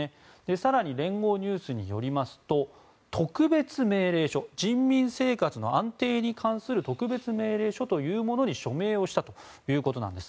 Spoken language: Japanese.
更に連合ニュースによりますと特別命令書人民生活の安定に関する特別命令書というものに署名をしたということなんです。